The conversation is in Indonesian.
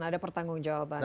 dan ada pertanggung jawabannya